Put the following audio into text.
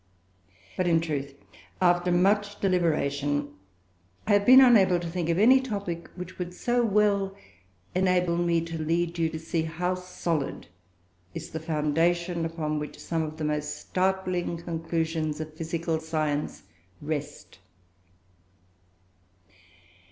But, in truth, after much deliberation, I have been unable to think of any topic which would so well enable me to lead you to see how solid is the foundation upon which some of the most startling conclusions of physical science rest.